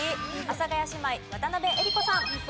阿佐ヶ谷姉妹渡辺江里子さん。